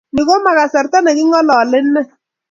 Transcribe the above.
Ni ko ma kasarta ne king'alale ine